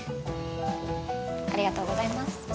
ありがとうございます。